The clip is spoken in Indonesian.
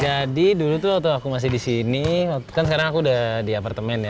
jadi dulu tuh waktu aku masih disini kan sekarang aku udah di apartemen